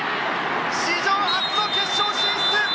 史上初の決勝進出！